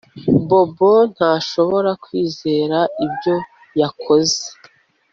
Bobo ntashobora kwizera ibyo yakoze